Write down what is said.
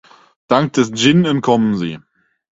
Dank des Dschinn entkommen sie.